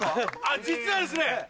実はですね